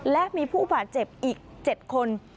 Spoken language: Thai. และมีผู้บาดเจ็บอีก๗คน